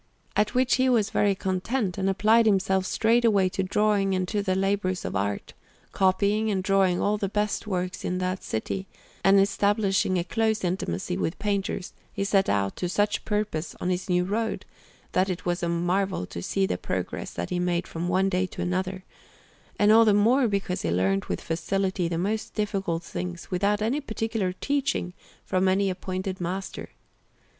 At which he was very content, and applied himself straightway to drawing and to the labours of art, copying and drawing all the best works in that city; and establishing a close intimacy with painters, he set out to such purpose on his new road, that it was a marvel to see the progress that he made from one day to another, and all the more because he learnt with facility the most difficult things without any particular teaching from any appointed master.